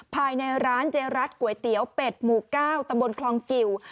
ภายในร้านเจรัสก๋วยเตี๋ยวเป็ดหมู่๙ตำบลคลองกิว